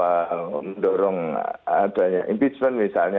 mendorong adanya impeachment misalnya